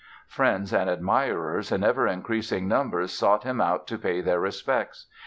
Friends and admirers in ever increasing numbers sought him out to pay their respects.